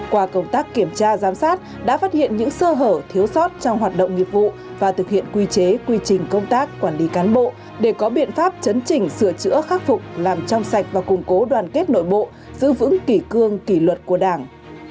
qua công tác kiểm tra giám sát đã phát hiện những sơ hở thiếu sót trong hoạt động nghiệp vụ và thực hiện quy chế quy trình công tác quản lý cán bộ để có biện pháp chấn chỉnh sửa chữa khắc phục làm trong sạch và củng cố đoàn kết nội bộ giữ vững kỷ cương kỷ luật của đảng